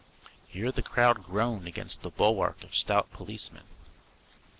Here the crowd groaned against a bulwark of stout policemen.